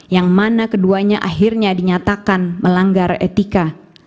yang mana keduanya akhirnya dinyatakan melanggar etika